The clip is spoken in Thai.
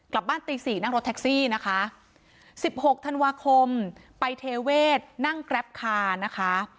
กลับบ้านตีสี่นั่งรถแท็กซี่นะคะสิบหกธันวาคมไปเทเวศนั่งแกรปคานะคะ